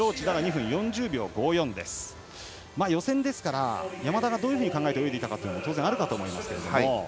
予選ですから山田がどう考えて泳いでいたかも当然あるかと思いますが。